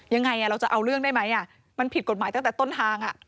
ยังไงเราจะเอาเรื่องได้ไหมมันผิดกฎหมายตั้งแต่ต้นทาง